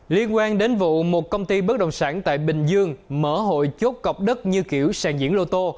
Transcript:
liên quan đến vụ một công ty bất động sản tại bình dương mở hội chốt cọc đất như kiểu sàn diễn lô tô